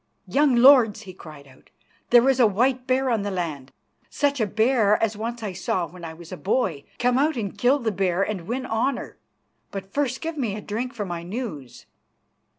"Young lords," he cried out, "there is a white bear on the land, such a bear as once I saw when I was a boy. Come out and kill the bear and win honour, but first give me a drink for my news."